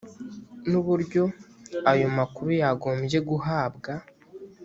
n uburyo ayo makuru yagombye guhabwa